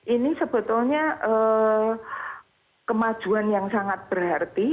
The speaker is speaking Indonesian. ini sebetulnya kemajuan yang sangat berarti